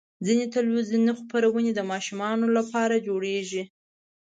ځینې تلویزیوني خپرونې د ماشومانو لپاره جوړېږي.